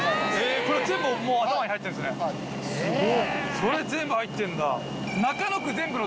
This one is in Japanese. それ全部入ってんだ。